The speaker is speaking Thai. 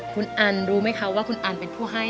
คุณอันรู้ไหมคะว่าคุณอันเป็นผู้ให้